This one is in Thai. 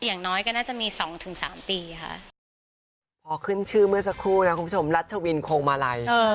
อย่างน้อยก็น่าจะมี๒๓ปีค่ะ